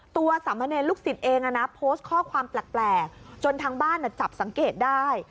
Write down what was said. สามเณรลูกศิษย์เองนะโพสต์ข้อความแปลกจนทางบ้านจับสังเกตได้